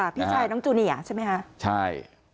พี่ชายน้องจูเนี่ยใช่มั้ยคะ